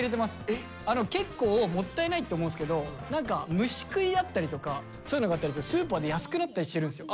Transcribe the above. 結構もったいないって思うんですけど何か虫食いだったりとかそういうのがあったりするとスーパーで安くなったりしてるんですよ。